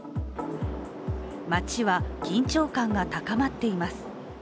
街は緊張感が高まっています。